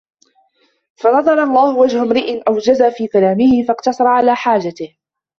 فَنَضَّرَ اللَّهُ وَجْهَ امْرِئٍ أَوْجَزَ فِي كَلَامِهِ ، فَاقْتَصَرَ عَلَى حَاجَتِهِ